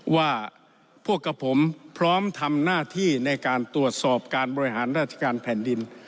ว่าพวกกับผมพร้อมทำหน้าที่ในการตรวจสอบการบริหารราชการแผ่นดิน